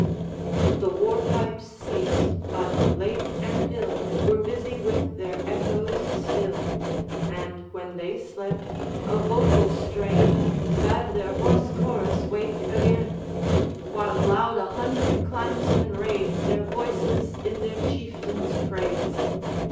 The war pipes ceased, but lake and hill Were busy with their echoes still; And, when they slept, a vocal strain Bade their hoarse chorus wake again, While loud a hundred clansmen raise Their voices in their Chieftain's praise.